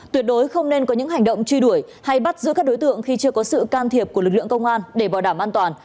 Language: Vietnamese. tuyệt đối không nên có những hành động truy đuổi hay bắt giữ các đối tượng khi chưa có sự can thiệp của lực lượng công an để bảo đảm an toàn